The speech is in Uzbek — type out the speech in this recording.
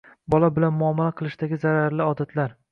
Bola bilan muomala qilishdagi zararli odatlar.